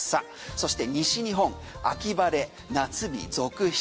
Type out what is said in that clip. そして西日本秋晴れ、夏日続出。